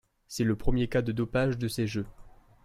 C'est le premier cas de dopage de ces Jeux.